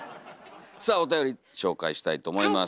さあおたより紹介したいと思います。